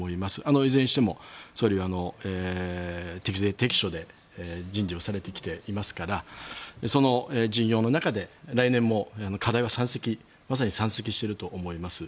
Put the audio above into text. いずれにしても総理は適材適所で人事をされてきていますからその陣容の中で来年も課題は山積まさに山積していると思います。